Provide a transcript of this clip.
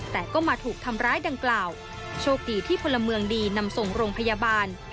แต่ก็มาถูกทำร้ายดังกล่าวโชคดีที่พลเมืองดีนำส่งโรงพยาบาล